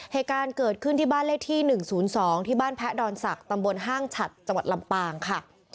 เหตุการณ์เกิดขึ้นที่บ้านเลขที่๑๐๒ที่บ้านแพะดอนศักดิ์ตำบลห้างฉัดจังหวัดลำปางค่ะ